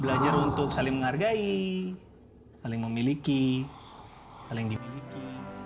belajar untuk saling menghargai saling memiliki saling dimiliki